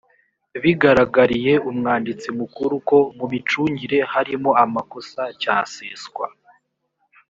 bigaragariye umwanditsi mukuru ko mu micungire harimo amakosa cyaseswa